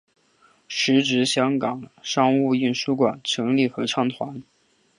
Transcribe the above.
时值香港商务印书馆成立合唱团。